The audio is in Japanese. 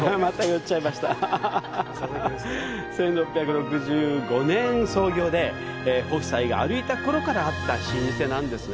１６６５年創業で、北斎が歩いた頃からあった老舗なんですね。